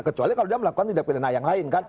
kecuali kalau dia melakukan tindak pilihan yang lain